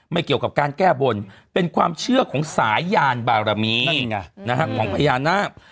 เกี่ยวกับการแก้บนเป็นความเชื่อของสายยานบารมีของพญานาค